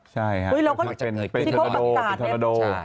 ใช่ฮะที่เข้ามาอีกก็จะมีการทำอะไรนะฮะพิษภาษาโดปิธาโด